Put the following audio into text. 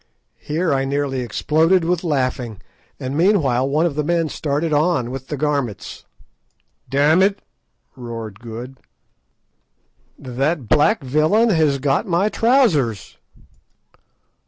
Here I nearly exploded with laughing; and meanwhile one of the men started on with the garments. "Damn it!" roared Good, "that black villain has got my trousers."